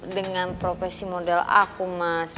dengan profesi modal aku mas